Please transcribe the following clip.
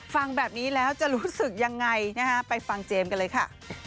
ฟังแบบนี้แล้วจะรู้สึกยังไงนะฮะไปฟังเจมส์กันเลยค่ะ